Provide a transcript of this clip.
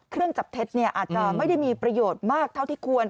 เครื่องจับเท็จอาจจะไม่ได้มีประโยชน์มากเท่าที่ควร